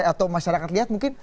atau masyarakat lihat mungkin